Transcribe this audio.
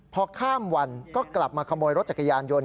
พอข้ามวันก็กลับมาขโมยรถจักรยานยนต์